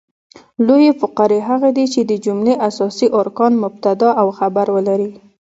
لویي فقرې هغه دي، چي د جملې اساسي ارکان مبتداء او خبر ولري.